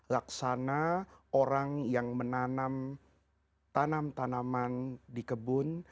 laksana orang yang menanam tanam tanaman di kebun